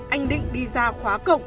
anh định đi ra khóa cổng